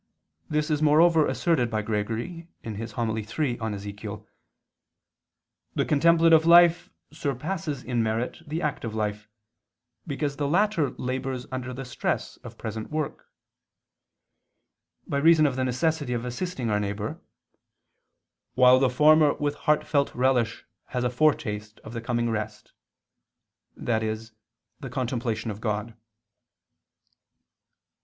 This is moreover asserted by Gregory (Hom. iii in Ezech.): "The contemplative life surpasses in merit the active life, because the latter labors under the stress of present work," by reason of the necessity of assisting our neighbor, "while the former with heartfelt relish has a foretaste of the coming rest," i.e. the contemplation of God.